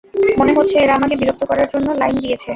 মনে হচ্ছে এরা আমাকে বিরক্ত করার জন্য লাইন দিয়েছে।